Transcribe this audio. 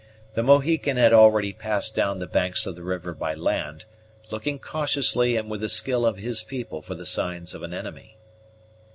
The Mohican had already passed down the banks of the river by land, looking cautiously and with the skill of his people for the signs of an enemy.